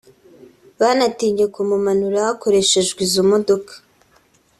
banatinye kumumanura hakoreshejwe izo modoka